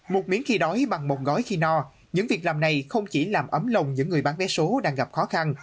một miếng khi đói bằng một gói khi no những việc làm này không chỉ làm ấm lòng những người bán vé số đang gặp khó khăn